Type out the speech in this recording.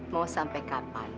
mau sampai kapan